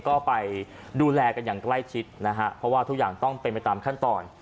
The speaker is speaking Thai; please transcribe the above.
ก็ไปดูแลกันอย่างใกล้ชิดนะฮะเพราะว่าทุกอย่างต้องเป็นไปตามขั้นตอน